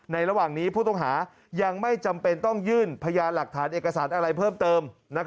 ระหว่างนี้ผู้ต้องหายังไม่จำเป็นต้องยื่นพยานหลักฐานเอกสารอะไรเพิ่มเติม